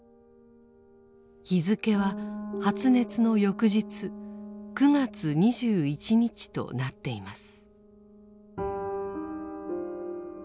日付は発熱の翌日９月２１日となっています。